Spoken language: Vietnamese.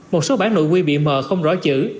một số bản nội quy bị mờ không rõ chữ